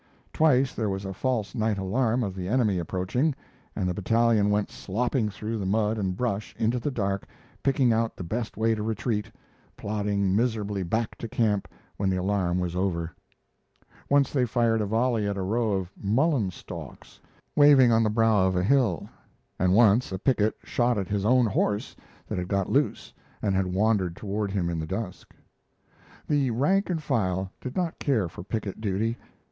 Twice there was a false night alarm of the enemy approaching, and the battalion went slopping through the mud and brush into the dark, picking out the best way to retreat, plodding miserably back to camp when the alarm was over. Once they fired a volley at a row of mullen stalks, waving on the brow of a hill, and once a picket shot at his own horse that had got loose and had wandered toward him in the dusk. The rank and file did not care for picket duty.